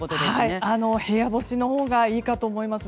部屋干しのほうがいいかと思います。